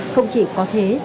không chỉ có thế